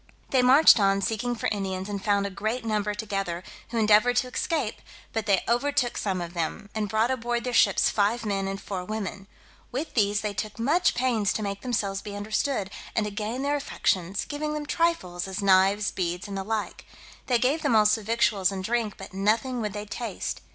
They marched on, seeking for Indians, and found a great number together, who endeavoured to escape, but they overtook some of them, and brought aboard their ships five men and four women; with these they took much pains to make themselves be understood, and to gain their affections, giving them trifles, as knives, beads, and the like; they gave them also victuals and drink, but nothing would they taste.